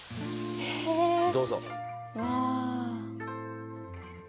どうぞ。